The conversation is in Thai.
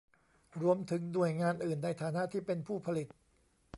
รวมถึงหน่วยงานอื่นในฐานะที่เป็นผู้ผลิต